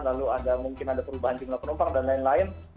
lalu mungkin ada perubahan jumlah penumpang dan lain lain